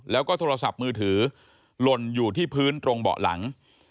แล้วก็โทรศัพท์มือถือหล่นอยู่ที่พื้นตรงเบาะหลัง